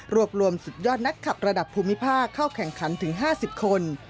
รวมรวมสุดยอดนักขับระดับภูมิภาคเข้าแข่งขันถึง๕๐คน